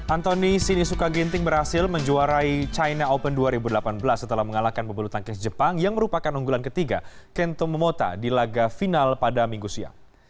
antoni sinisuka ginting berhasil menjuarai china open dua ribu delapan belas setelah mengalahkan pebulu tangkis jepang yang merupakan unggulan ketiga kento momota di laga final pada minggu siang